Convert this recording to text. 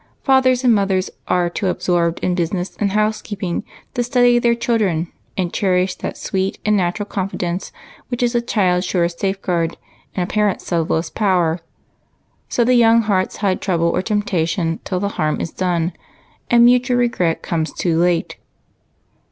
Fathers and mothers are too absorbed in business and housekeeping to study their children, and cherish that sweet and natur.il confidence which is a child's surest safeguard, and a parent's subtlest power. So the young hearts hide trouble or temptation till the harm is done, and mutual regret comes too late.